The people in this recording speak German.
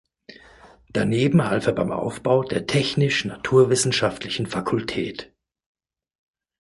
Daneben half er beim Aufbau der Technisch-Naturwissenschaftlichen Fakultät.